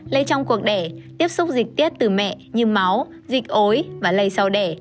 lấy trong cuộc đẻ tiếp xúc dịch tiết từ mẹ như máu dịch ối và lây sau đẻ